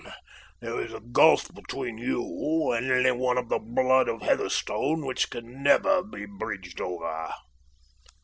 There is a gulf between you and any one of the blood of Heatherstone which can never be bridged over."